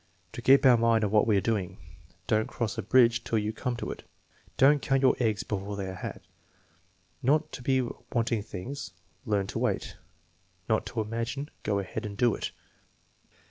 "To keep our mind on what we are doing." " Don't cross a bridge till you come to it." "Don't count your eggs before they are hatched." "Not to be wanting things; learn to wait." "Not to imagine; go ahead and do it."